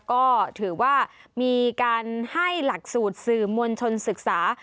ก็ถือว่ามีการให้หลักสูตรสื่อมวลชนศึกษา